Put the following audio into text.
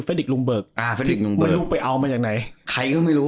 เด็กลุงเบิกอ่าเฟรดิกลุงไม่รู้ไปเอามาจากไหนใครก็ไม่รู้